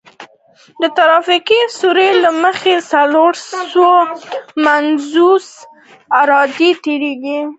د ترافیکي سروې له مخې څلور سوه پنځوس عرادې تیریږي